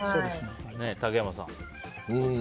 竹山さん。